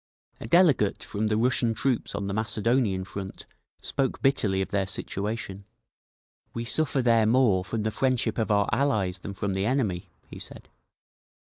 A delegate from the Russian troops on the Macedonian front spoke bitterly of their situation. "We suffer there more from the friendship of our 'Allies' than from the enemy," he said.